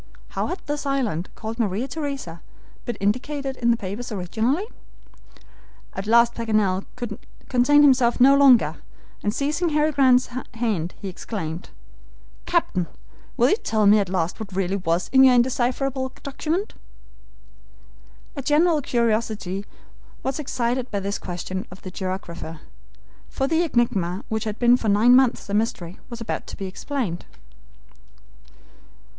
How had this island, called Maria Theresa, been indicated in the papers originally? At last Paganel could contain himself no longer, and seizing Harry Grant's hand, he exclaimed: "Captain! will you tell me at last what really was in your indecipherable document?" A general curiosity was excited by this question of the geographer, for the enigma which had been for nine months a mystery was about to be explained.